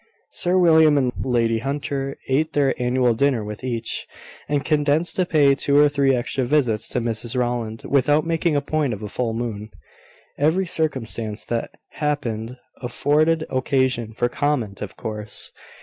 Sir William and Lady Hunter ate their annual dinner with each, and condescended to pay two or three extra visits to Mrs Rowland, without making a point of a full moon. Every circumstance that happened afforded occasion for comment, of course.